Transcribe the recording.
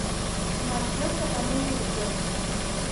Marxeu cap a nous horitzons.